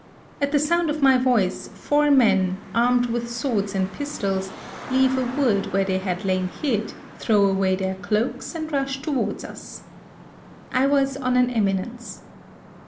At the sound of my voice, four men, armed with swords and pistols, leave a wood where they had lain hid, throw away their cloaks, and rush towards us. I was on an eminence.